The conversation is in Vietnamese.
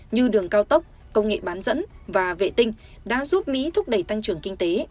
như đường cao tốc công nghệ bán dẫn và vệ tinh đã giúp mỹ thúc đẩy tăng trưởng kinh tế